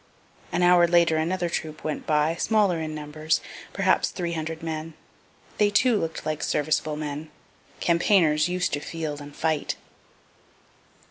An hour later another troop went by, smaller in numbers, perhaps three hundred men. They too look'd like serviceable men, campaigners used to field and fight.